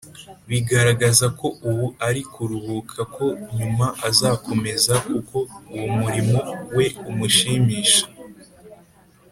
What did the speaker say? bigaragaza ko ubu ari kuruhuka ko nyuma azakomeza kuko uwo murimo we umushimisha.